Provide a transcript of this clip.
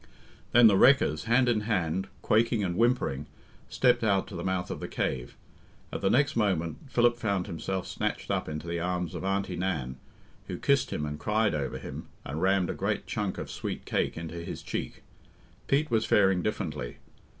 Then the wreckers, hand in hand, quaking and whimpering, stepped out to the mouth of the cave. At the next moment Philip found himself snatched up into the arms of Aunty Nan, who kissed him and cried over him, and rammed a great chunk of sweet cake into his cheek. Pete was faring differently.